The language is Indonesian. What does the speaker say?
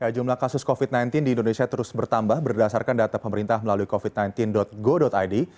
jumlah kasus covid sembilan belas di indonesia terus bertambah berdasarkan data pemerintah melalui covid sembilan belas go id